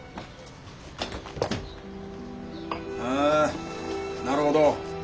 あなるほど。